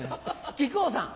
木久扇さん。